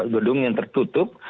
gedung yang tertutup